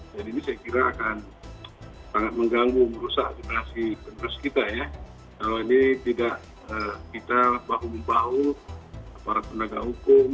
ini saya kira akan sangat mengganggu merusak generasi penerus kita ya kalau ini tidak kita bahu membahu para penegak hukum